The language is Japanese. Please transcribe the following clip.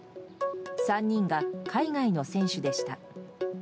３人が海外の選手でした。